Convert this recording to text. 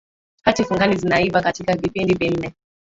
hati fungani zinaiva katika vipindi vinne